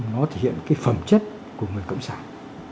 nó thể hiện cái phẩm chất của người cộng sản